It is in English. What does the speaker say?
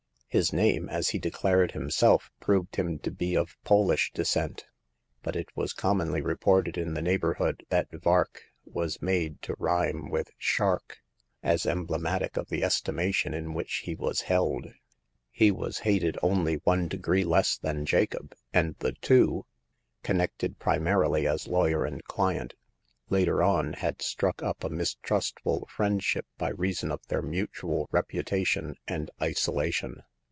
His name — as he declared himself— proved him to be of Polish descent ; but it was commonly reported in the neighborhood that Vark was made to rhyme with shark, as emblematic of the estimation in which he was held. He was hated only one degree less than Jacob, and the two, — connected pri marily as lawyer and client, — later on, had struck up a mistrustful friendship by reason of their mutual reputation and isolation.